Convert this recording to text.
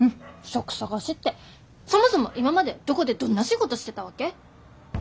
職探しってそもそも今までどこでどんな仕事してたわけ？